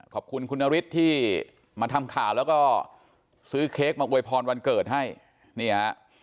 ขอบคุณคุณนฤทธิ์ที่มาทำข่าวแล้วก็ซื้อเค้กมาอวยพรวันเกิดให้นี่ฮะ